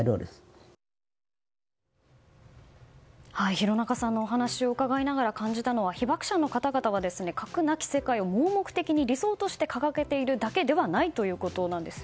廣中さんのお話を伺いながら感じたのは被爆者の方々は核なき世界を理想的に掲げているだけじゃないということです。